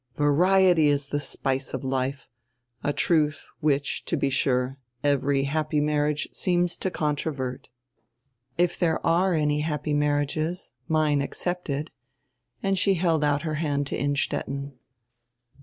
Variety is the spice of life, a truth which, to be sure, every happy marriage seems to con trovert." "If there are any happy marriages, mine excepted," and she held out her hand to Innstetten.